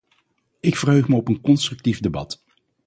Ik verheug me op een constructief debat.